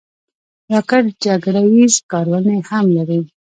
راکټ جګړه ییز کارونې هم لري